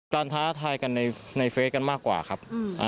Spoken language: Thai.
การท้ายก่อนในเฟซกันมากกว่าครับ